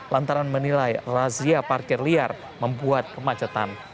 lantaran menilai razia parkir liar membuat kemacetan